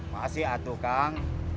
masih aduh kang